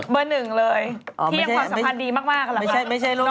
เบอร์หนึ่งเลยที่ยังความสัมพันธ์ดีมาก